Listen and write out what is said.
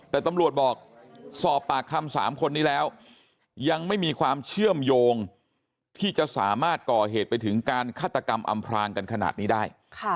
แต่ตำรวจบอกสอบปากคำ๓คนนี้แล้วยังไม่มีความเชื่อมโยงที่จะสามารถก่อเหตุไปถึงการฆาตกรรมอำพรางกันขนาดนี้ได้